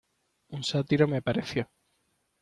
Un sátiro, me pareció.